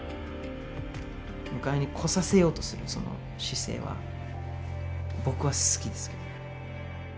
迎えに来させようとするその姿勢は僕は好きですけどね。